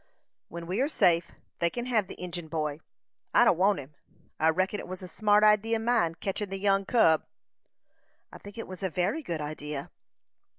"When we are safe, they kin hev the Injin boy; I don't want him. I reckon it was a smart idee o' mine, ketchin' the young cub." "I think it was a very good idea.